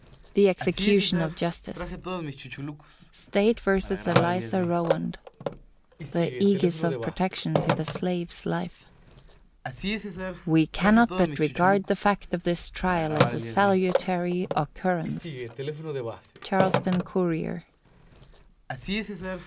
THE EXECUTION OF JUSTICE. State v. Eliza Rowand.—The "Ægis of Protection" to the Slave's Life. "We cannot but regard the fact of this trial as a salutary occurrence."—_Charleston Courier.